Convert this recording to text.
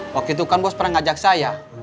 waktu itu kan bos pernah ngajak saya